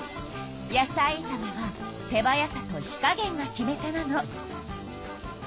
野菜いためは手早さと火加げんが決め手なの。